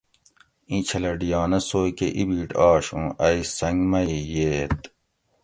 ایں چھلہ ڈیانہ سوئے کہ اِبیٹ آش اوں ائی سنگ مئے ییت